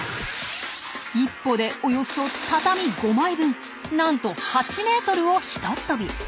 １歩でおよそ畳５枚分なんと８ｍをひとっとび！